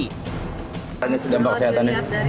ini sedempat kesehatannya